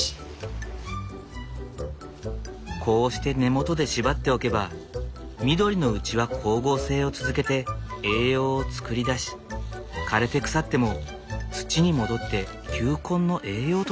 こうして根元で縛っておけば緑のうちは光合成を続けて栄養を作り出し枯れて腐っても土に戻って球根の栄養となるそう。